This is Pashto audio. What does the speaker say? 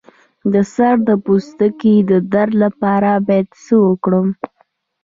د سر د پوستکي د درد لپاره باید څه وکړم؟